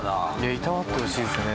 いたわってほしいですね